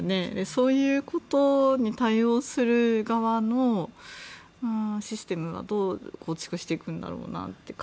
そういうことに対応する側のシステムはどう構築していくんだろうなという。